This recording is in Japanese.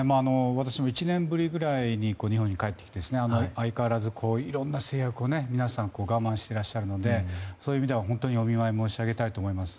私も１年ぶりぐらいに日本に帰ってきて相変わらずいろんな制約を皆さん我慢していらっしゃるのでそういう意味では本当にお見舞い申し上げたいと思います。